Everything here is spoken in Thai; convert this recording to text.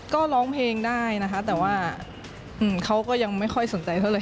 ก็ร้องเพลงได้นะคะแต่ว่าเขาก็ยังไม่ค่อยสนใจเท่าไห